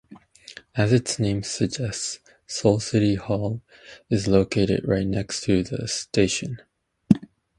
As its name suggests, Seoul City Hall is located right next to the station.